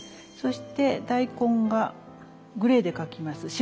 そして大根がグレーで描きます。